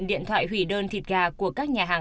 điện thoại hủy đơn thịt gà của các nhà hàng